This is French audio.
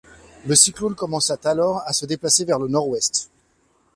Le cyclone commença alors à se déplacer vers le nord-ouest.